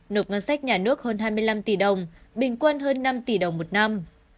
nộp ngân sách nhà nước hơn hai mươi năm tỷ đồng bình quân hơn năm tỷ đồng một năm